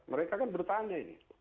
mereka kan bertanya ini